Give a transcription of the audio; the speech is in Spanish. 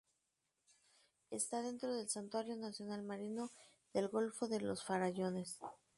Está dentro del Santuario nacional marino del golfo de los Farallones.